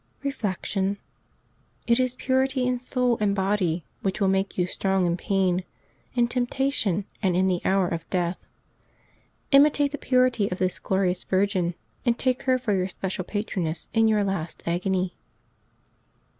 Reflection. — It is purity in soul and body which will make you strong in pain, in temptation, and in the hour of death. Imitate the purity of this glorious virgin, and take her for your special patroness in your last agony.